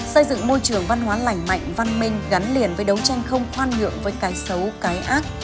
xây dựng môi trường văn hóa lành mạnh văn minh gắn liền với đấu tranh không khoan nhượng với cái xấu cái ác